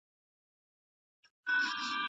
که کفاره ادا کړئ ګناهونه به مو وبښل سي.